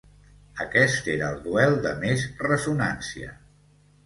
Aquest era el duel de més ressonància.